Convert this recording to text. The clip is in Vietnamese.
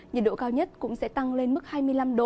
nhiệt độ cao nhất cũng sẽ tăng lên mức hai mươi năm độ